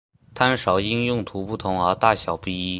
汤勺因用途不同而大小不一。